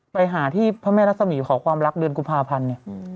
ไปหาที่พระแม่รัศมีขอความรักเดือนกุมภาพันธ์เนี่ย